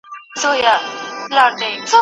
په پردي محفل کي سوځم، پر خپل ځان غزل لیکمه